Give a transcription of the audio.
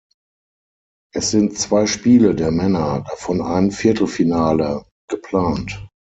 Es sind zwei Spiele der Männer, davon ein Viertelfinale, geplant.